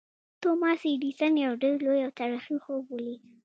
توماس ایډېسن یو ډېر لوی او تاریخي خوب ولید